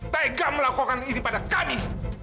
tega melakukan ini pada kami